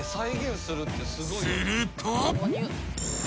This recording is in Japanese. ［すると］